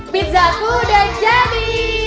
pizza ku udah jadi